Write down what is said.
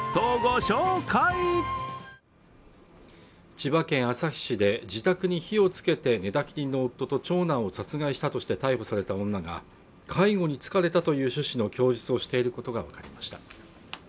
千葉県旭市で自宅に火をつけて寝たきりの夫と長男を殺害したとして逮捕された女が介護に疲れたという趣旨の供述をしていることが分かりました